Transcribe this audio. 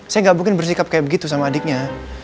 saya gak mungkin bersikap kayak begitu sama adiknya